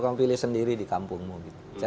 kamu pilih sendiri di kampungmu saya